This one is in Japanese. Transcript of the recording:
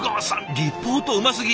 リポートうますぎ。